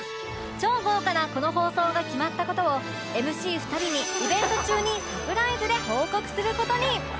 超豪華なこの放送が決まった事を ＭＣ２ 人にイベント中にサプライズで報告する事に！